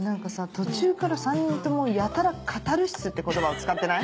途中から３人ともやたら「カタルシス」って言葉を使ってない？